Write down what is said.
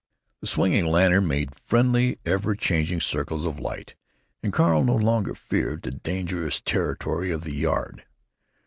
The swinging lantern made friendly ever changing circles of light, and Carl no longer feared the dangerous territory of the yard.